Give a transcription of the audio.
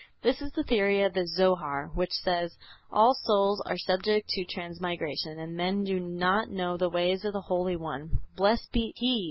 This is the theory of the Zohar, which says: "All souls are subject to transmigration; and men do not know the ways of the Holy One, blessed be He!